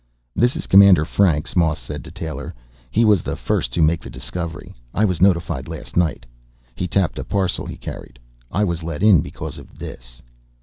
"This is Commander Franks," Moss said to Taylor. "He was the first to make the discovery. I was notified last night." He tapped a parcel he carried. "I was let in because of this."